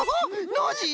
ノージー